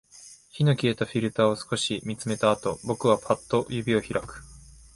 火の消えたフィルターを少し見つめたあと、僕はパッと指を開く